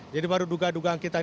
jadi baru dugaan dugaan kita ini